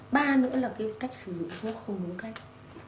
ba nữa là cái cách sử dụng thuốc không đúng cách